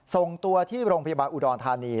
ส่งตัวที่โรงพยาบาลอุดรธานี